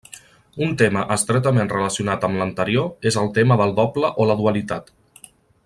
Un tema estretament relacionat amb l'anterior és el tema del doble o la dualitat.